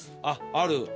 あっある？